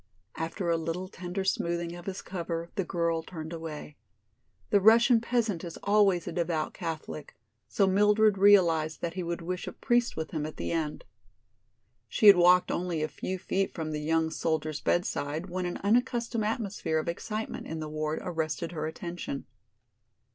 After a little tender smoothing of his cover the girl turned away. The Russian peasant is always a devout Catholic, so Mildred realized that he would wish a priest with him at the end. She had walked only a few feet from the young soldier's bedside when an unaccustomed atmosphere of excitement in the ward arrested her attention.